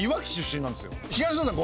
東野さん